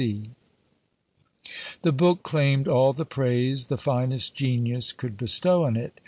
W.C. The book claimed all the praise the finest genius could bestow on it.